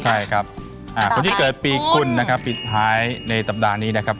ใช่ครับคนที่เกิดปีคุณนะครับปิดท้ายในสัปดาห์นี้นะครับ